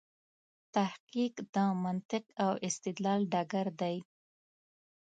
تحقیق د منطق او استدلال ډګر دی.